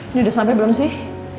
ini udah sampai belum sih